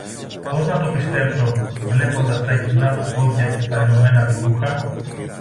Πώς να το πιστέψω, βλέποντας τα γυμνά του πόδια και τα λιωμένα του ρούχα;